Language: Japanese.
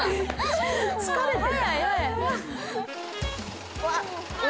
疲れてた。